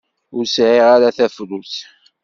Ur sɛiɣ ara tafrut.